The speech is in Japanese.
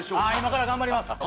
あ今から頑張ります